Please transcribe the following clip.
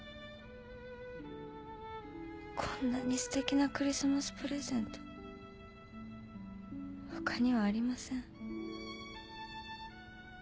こんなにすてきなクリスマスプレゼントほかにはありません。